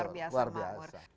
sudah luar biasa